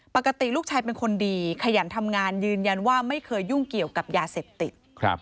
ปกติลูกชายเป็นคนดีขยันทำงานยืนยันว่าไม่เคยยุ่งเกี่ยวกับยาเสพติด